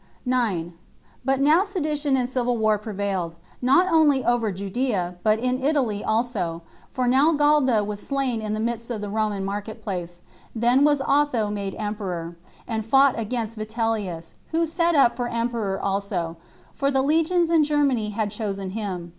9. But now sedition and civil war prevailed, not only over Judea, but in Italy also; for now Galba was slain in the midst of the Roman market place; then was Otho made emperor, and fought against Vitellius, who set up for emperor also; for the legions in Germany had chosen him.